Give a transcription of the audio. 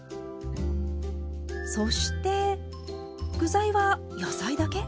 そして具材は野菜だけ？